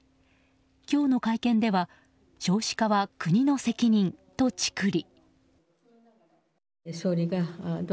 今日の会見では少子化は国の責任とチクリ。